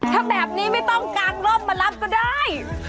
ถ้าแบบนี้ไม่ต้องกางร่มมารับก็ได้